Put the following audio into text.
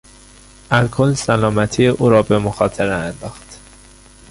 الکل سلامتی او را به مخاطره انداخت.